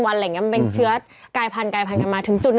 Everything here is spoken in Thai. มันเป็นเชื้อกายพันธุ์มาถึงจุด